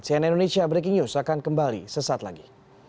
cnn indonesia breaking news akan kembali sesaat lagi